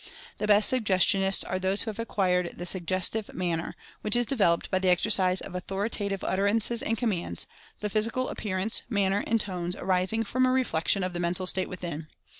The best Suggestionists are those who have acquired the "Suggestive Man ner" which is developed by the exercise of authorita tive utterances and commands, the physical appear ance, manner, and tones arising from a reflection of the Mental State within.